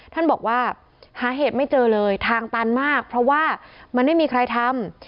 ท่านบอกว่าหาเหตุไม่เจอเลยทางตันมากเพราะว่ามันไม่มีใครทำ